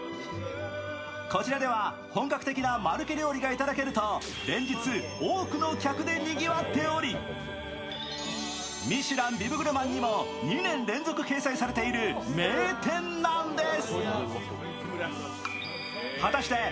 こちらでは本格的なマルケ料理がいただけると、連日、多くの客でにぎわっており、ミシュラン・ビブグルマンにも２年連続掲載されている名店なんです。